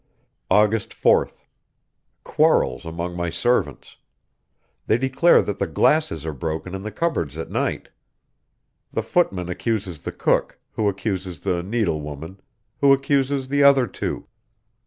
August 4th. Quarrels among my servants. They declare that the glasses are broken in the cupboards at night. The footman accuses the cook, who accuses the needlewoman, who accuses the other two.